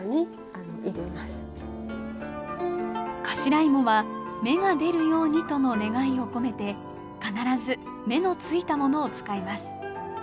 頭芋は「芽が出るように」との願いを込めて必ず芽のついたものを使います。